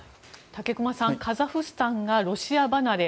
武隈さんカザフスタンがロシア離れ